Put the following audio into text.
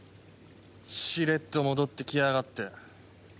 しれっと戻ってきやがって。